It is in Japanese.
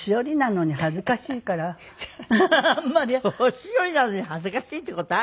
年寄りなのに恥ずかしいって事ある？